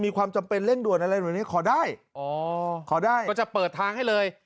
มีความจำเป็นเร่งด่วนอะไรแบบนี้ขอได้อ๋อขอได้ก็จะเปิดทางให้เลย